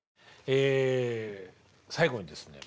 え最後にですね